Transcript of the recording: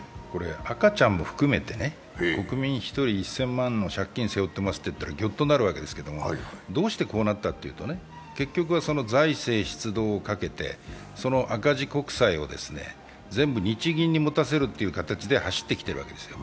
赤ちゃんも含めて国民１人１０００万円の借金を背負っていますというとぎょっとなるわけですけれども、どうしてこうなったかというと結局は財政出動をかけて、その赤字国債を全部日銀にもたせる形で走ってきているわけですよ。